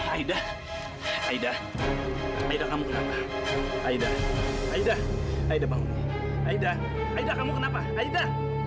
aida aida aida kamu kenapa aida aidah aida bangun aida aida kamu kenapa aida